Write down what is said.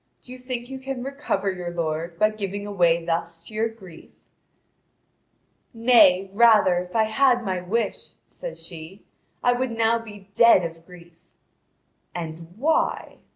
Do you think you can recover your lord by giving away thus to your grief?" "Nay, rather, if I had my wish," says she, "I would now be dead of grief." "And why?"